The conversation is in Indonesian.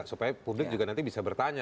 supaya publik juga nanti bisa bertanya